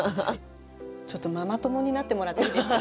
ちょっとママ友になってもらっていいですか？